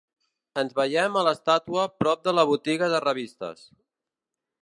Ens veiem a l'estàtua prop de la botiga de revistes.